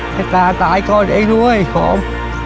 แค่ตาตายก่อนเองด้วยขอบ